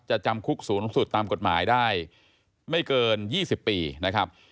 จำคุกสูงสุดตามกฎหมายได้ไม่เกิน๒๐ปีนะครับ